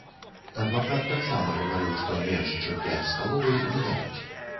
Адвакат таксама гаварыў, што менш чым пяць з паловай не дадуць.